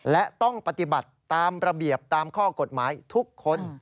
และต้องปฏิบัติตามระเบียบตามข้อกฎหมายทุกคน